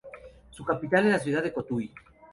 Su capital es la ciudad de Cotuí.